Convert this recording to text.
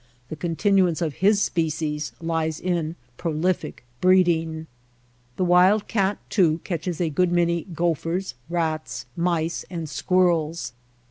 The continuance of his species lies in prolific breeding. The wild cat, too, catches a good many gophers, rats, mice, and squirrels.